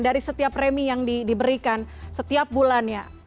dari setiap premi yang diberikan setiap bulannya